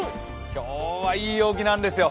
今日はいい陽気なんですよ。